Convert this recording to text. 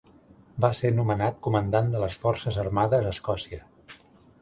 Va ser nomenat comandant de les forces armades a Escòcia.